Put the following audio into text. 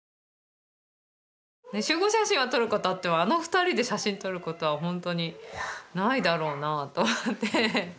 集合写真は撮ることあってもあの２人で写真撮ることはほんとにないだろうなあと思って。